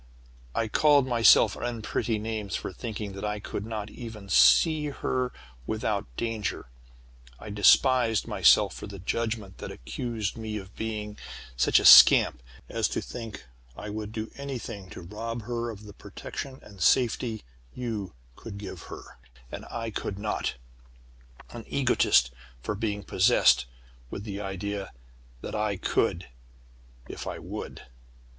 I called myself unpretty names for thinking that I could not even see her without danger. I despised myself for the judgment that accused me of being such a scamp as to think I would do anything to rob her of the protection and safety you could give her, and I could not, and an egoist for being possessed with the idea that I could if I would.